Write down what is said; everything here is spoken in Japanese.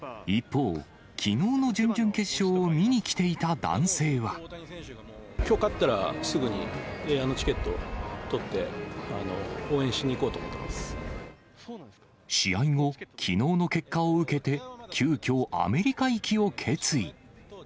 一方、きのうの準々決勝を見に来きょう勝ったら、すぐにエアのチケットを取って、試合後、きのうの結果を受けて、急きょ、アメリカ行きを決意。